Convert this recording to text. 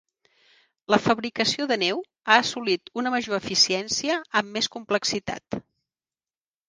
La fabricació de neu ha assolit una major eficiència amb més complexitat.